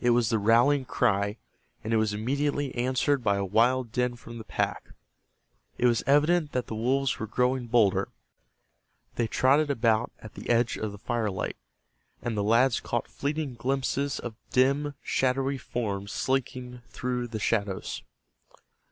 It was the rallying cry, and it was immediately answered by a wild din from the pack. It was evident that the wolves were growing bolder. They trotted about at the edge of the firelight, and the lads caught fleeting glimpses of dim, shadowy forms slinking through the shadows.